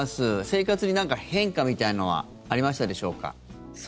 生活に何か変化みたいなのはありましたでしょうか。